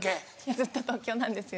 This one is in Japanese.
ずっと東京なんですよ。